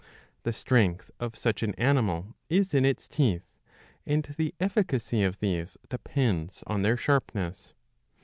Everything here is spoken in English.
The strength of such an animal is in its teeth, and the efficacy of these depends on their sharpness.